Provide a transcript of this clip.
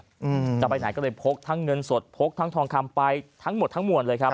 อืมจะไปไหนก็เลยพกทั้งเงินสดพกทั้งทองคำไปทั้งหมดทั้งมวลเลยครับ